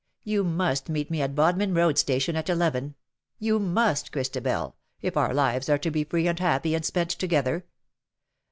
You must meet me at Bodmin Road Station at eleven — you must, Christabel^ if our lives are to be free and happy and spent together.